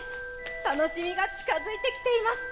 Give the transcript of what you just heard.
楽しみが近づいてきています